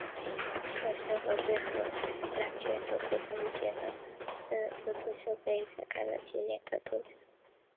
琼斯和对头纳粹德国的一些人为了争夺圣杯展开了激烈的斗争。